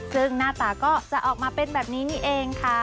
ซึ่งหน้าตาก็จะออกมาเป็นแบบนี้นี่เองค่ะ